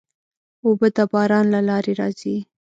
اوبه د باران له لارې راځي.